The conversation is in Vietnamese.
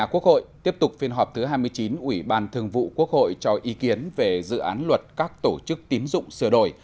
quốc hội tiếp tục phiên họp thứ hai mươi chín ủy ban thường vụ quốc hội cho ý kiến về dự án luật các tổ chức tín dụng sửa đổi